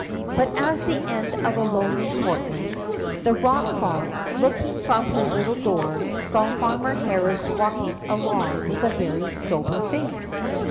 But at the end of a lonely fortnight, the Rock Frog, looking from his little door, saw Farmer Harris walking along with a very sober face.